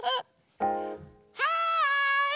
はい！